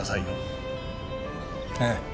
ええ。